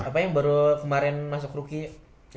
apa yang baru kemarin masuk rookie